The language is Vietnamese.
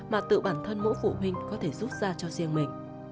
mà tự bản thân mỗi phụ huynh có thể rút ra cho riêng mình